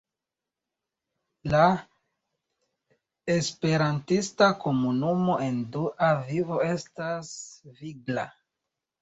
La esperantista komunumo en Dua Vivo estas vigla.